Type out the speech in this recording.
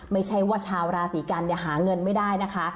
ไม่ใช่ว่าชาวราศีกันหาเงินไม่ได้นะคะ